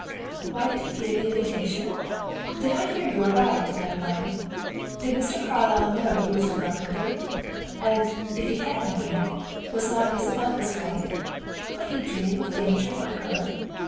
"Why did he give the invitation? Did I hear you aright, Madame Vine? Did Mr. Carlyle know he was a reprobate? And, if he had known it, was not Isabel his wife? Could he dream of danger for her?